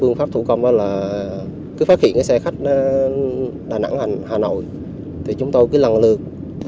phương pháp thủ công là cứ phát hiện cái xe khách đà nẵng hà nội thì chúng tôi cứ lăn lượt